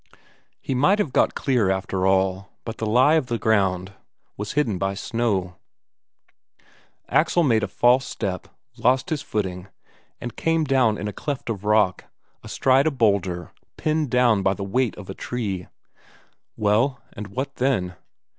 He might have got clear after all, but the lie of the ground was hidden by snow. Axel made a false step, lost his footing, and came down in a cleft of rock, astride of a boulder, pinned down by the weight of a tree. Well, and what then?